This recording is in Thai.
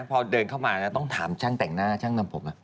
พอเดินเข้ามาต้องถามช่างแต่งหน้าช่างทำผม